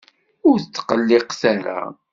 Ur tqelliqet ara!